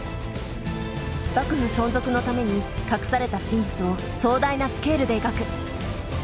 幕府存続のために隠された真実を壮大なスケールで描く。